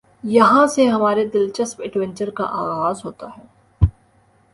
یہاں سے ہمارے دلچسپ ایڈونچر کا آغاز ہوتا ہے ۔